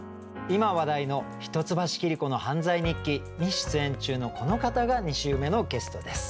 今話題の「一橋桐子の犯罪日記」に出演中のこの方が２週目のゲストです。